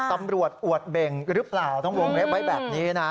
ตำรวจอวดเบ่งหรือเปล่าต้องวงเล็บไว้แบบนี้นะ